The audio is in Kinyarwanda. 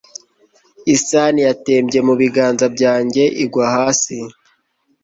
isahani yatembye mu biganza byanjye igwa hasi